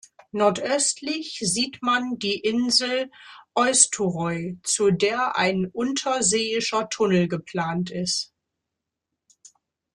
Nordöstlich sieht man die Insel Eysturoy zu der ein unterseeischer Tunnel geplant ist.